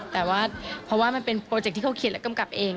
แต่ว่าเพราะว่ามันเป็นโปรเจคที่เขาเขียนและกำกับเอง